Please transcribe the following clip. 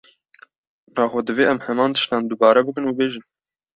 Nexwe, divê em heman tiştan dubare bikin û bêjin